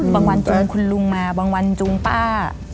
บางวันจูงคุณลุงมาบางวันจูงป้า